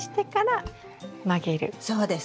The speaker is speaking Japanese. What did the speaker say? そうです。